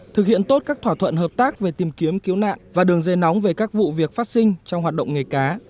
thực hiện tốt các thỏa thuận hợp tác về tìm kiếm cứu nạn và đường dây nóng về các vụ việc phát sinh trong hoạt động nghề cá